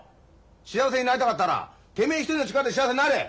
幸せになりたかったらてめえ一人の力で幸せになれ！